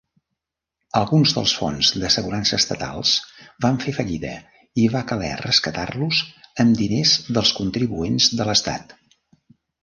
Alguns dels fons d'assegurança estatals van fer fallida i va caler rescatar-los amb diners dels contribuents de l'estat.